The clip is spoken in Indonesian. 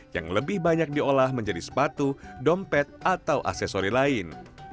yang lebih banyak diolah menjadi sepatu dompet atau aksesori lain